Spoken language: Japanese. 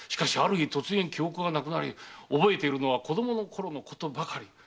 がある日突然記憶がなくなり覚えているのは子供のころのことばかり。